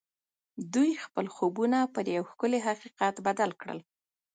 دوی خپل خوبونه پر یو ښکلي حقیقت بدل کړل